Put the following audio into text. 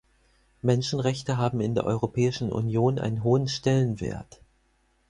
Menschenrechte haben in der Europäischen Union einen hohen Stellenwert.